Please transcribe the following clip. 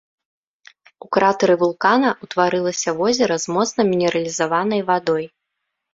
У кратары вулкана ўтварылася возера з моцна мінералізаванай вадой.